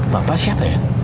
bapak siapa ya